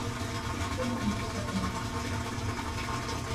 是当地的一个重要的文化中心。